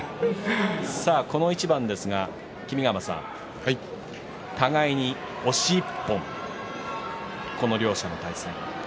この一番ですが君ヶ濱さん互いに押し１本、この両者の対戦。